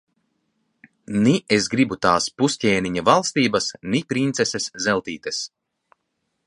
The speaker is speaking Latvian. Ni es gribu tās pusķēniņa valstības, ni princeses Zeltītes.